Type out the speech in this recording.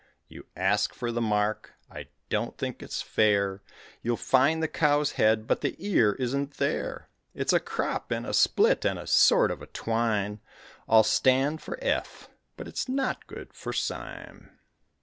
You ask for the mark, I don't think it's fair, You'll find the cow's head but the ear isn't there It's a crop and a split and a sort of a twine, All stand for F. but it's not good for Sime.